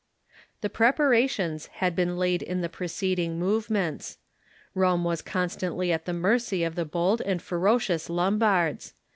The preparations had been laid in the preceding move ments. Rome was constantly at the mercy of the bold and ferocious Lombards.